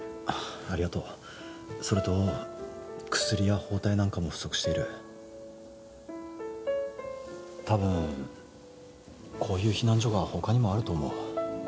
ありがとうそれと薬や包帯なんかも不足しているたぶんこういう避難所が他にもあると思う